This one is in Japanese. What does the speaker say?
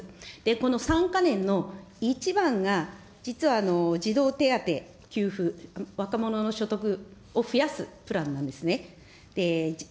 この３か年のいちばんが実は児童手当給付、若者の所得を増やすプランなんですね。